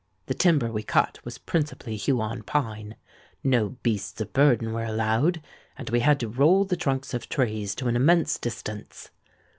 The timber we cut was principally Huon pine; no beasts of burden were allowed; and we had to roll the trunks of trees to an immense distance.